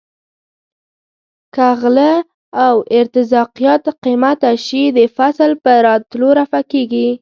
که غله او ارتزاقیات قیمته شي د فصل په راتلو رفع کیږي.